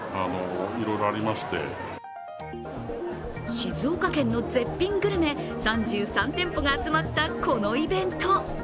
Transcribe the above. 静岡県の絶品グルメ３３店舗が集まったこのイベント。